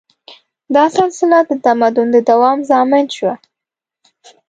دا سلسله د تمدن د دوام ضامن شوه.